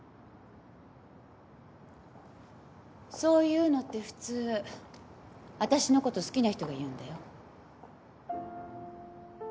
そういうのって普通私のこと好きな人が言うんだよ？